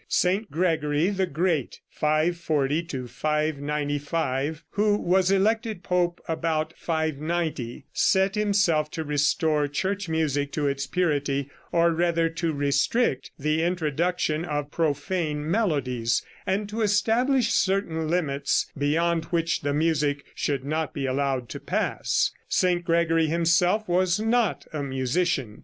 St. Gregory the Great (540 595), who was elected pope about 590, set himself to restore church music to its purity, or rather to restrict the introduction of profane melodies, and to establish certain limits beyond which the music should not be allowed to pass. St. Gregory himself was not a musician.